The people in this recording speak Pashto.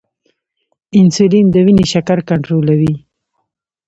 انسولین د وینې شکر کنټرولوي